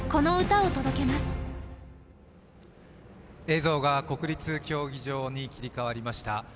映像が国立競技場に切り替わりました。